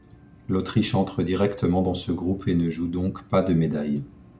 L'Autriche entre directement dans ce groupe et ne joue donc pas de médaille.